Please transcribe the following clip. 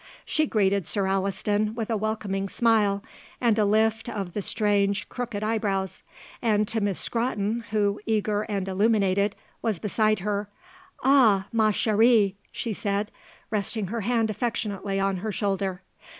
She greeted Sir Alliston with a welcoming smile and a lift of the strange crooked eyebrows, and to Miss Scrotton, who, eager and illuminated, was beside her: "Ah, ma chérie," she said, resting her hand affectionately on her shoulder.